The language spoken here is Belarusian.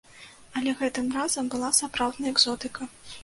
Але гэтым разам была сапраўдная экзотыка!